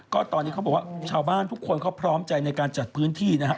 ก็ตอนนี้เขาบอกว่าชาวบ้านทุกคนเขาพร้อมใจในการจัดพื้นที่นะครับ